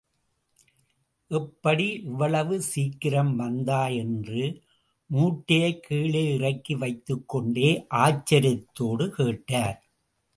எப்படி இவ்வளவு சீக்கிரம் வந்தாய்? என்று மூட்டையைக் கீழே இறக்கி வைத்துக்கொண்டே ஆச்சரியத்தோடு கேட்டார்.